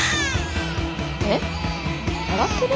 えっ笑ってる？